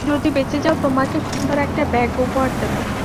যদি বেঁচে যাও, তোমাকে সুন্দর একটা ব্যাগ উপহার দেব।